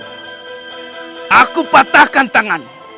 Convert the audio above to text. aku patahkan tangan